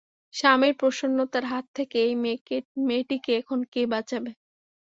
স্বামীর প্রসন্নতার হাত থেকে এই মেয়েটিকে এখন কে বাঁচাবে?